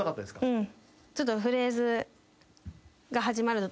うん。